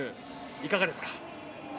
いかがですか？